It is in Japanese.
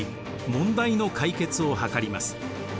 問題の解決を図ります。